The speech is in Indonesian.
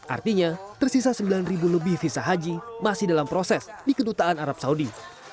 artinya tersisa sembilan ribu lebih visa haji masih dalam proses di kedutaan arab saudi